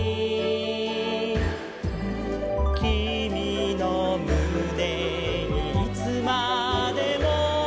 「きみのむねにいつまでも」